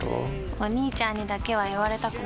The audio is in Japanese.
お兄ちゃんにだけは言われたくないし。